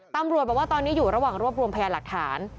ตำรวจบอกว่าตอนนี้อยู่ระหว่างรวบรวมพยานหลักฐาน